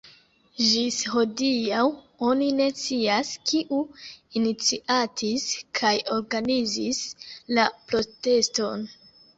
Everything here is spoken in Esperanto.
Ĝis hodiaŭ oni ne scias, kiu iniciatis kaj organizis la proteston.